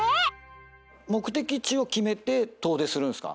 目的地を決めて遠出するんですか？